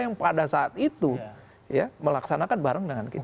yang pada saat itu melaksanakan bareng dengan kita